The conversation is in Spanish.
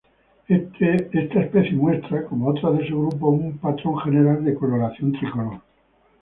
Esta especie muestra, como otras de su grupo, un patrón general de coloración tricolor.